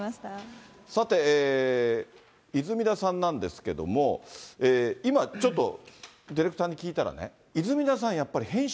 さて、泉田さんなんですけども、今ちょっと、ディレクターに聞いたらね、泉田さん、やっぱり、編集